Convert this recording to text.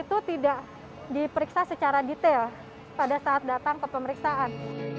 itu tidak diperiksa secara detail pada saat datang ke pemeriksaan